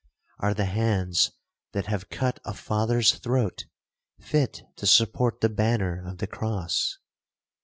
Are the hands that have cut a father's throat fit to support the banner of the cross?'